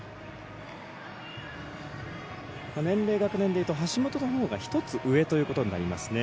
年齢、学年でいうと橋本のほうが１つ上となりますね。